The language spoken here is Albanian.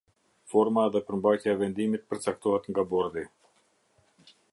Forma dhe përmbajtja e Vendimit përcaktohet nga Bordi.